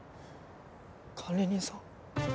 管理人さん？